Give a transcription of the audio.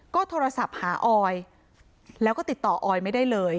ก็โทรศัพท์หาออยแล้วก็ติดต่อออยไม่ได้เลย